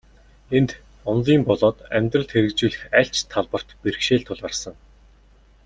Энд, онолын болоод амьдралд хэрэгжүүлэх аль ч талбарт бэрхшээл тулгарсан.